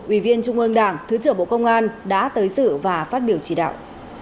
ủy viên trung ương đảng thứ trưởng bộ công an đã tới sự và phát biểu chỉ đạo